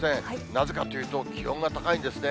なぜかというと、気温が高いんですね。